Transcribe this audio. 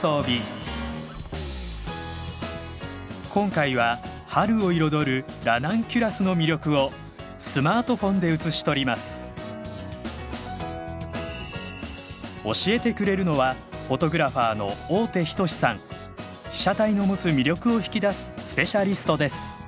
今回は春を彩るラナンキュラスの魅力をスマートフォンで写し取ります教えてくれるのは被写体の持つ魅力を引き出すスペシャリストです